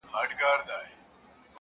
ژړا خــود نــــه ســـــــې كـــــــولاى.